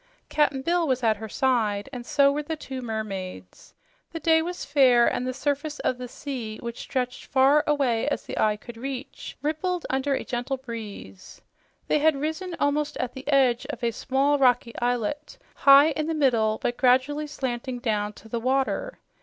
Cap'n Bill was at her side, and so were the two mermaids. The day was fair, and the surface of the sea, which stretched far away as the eye could reach, rippled under a gentle breeze. They had risen almost at the edge of a small, rocky islet, high in the middle, but gradually slanting down to the water.